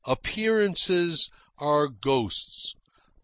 Appearances are ghosts.